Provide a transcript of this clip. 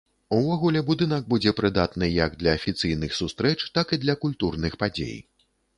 Увогуле будынак будзе прыдатны як для афіцыйных сустрэч, так і для культурных падзей.